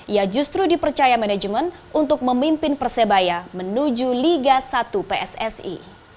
ia justru dipercaya manajemen untuk memimpin persebaya menuju liga satu pssi